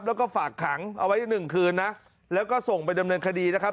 แล้วก็ฝากขังเอาไว้หนึ่งคืนนะแล้วก็ส่งไปดำเนินคดีนะครับ